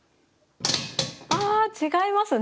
あ違いますね！